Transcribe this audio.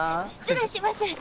失礼します。